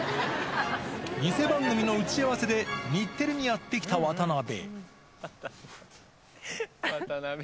偽番組の打ち合わせで日テレにやって来た渡辺。